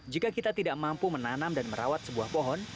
jika kita tidak mampu menanam dan merawat sebuah pohon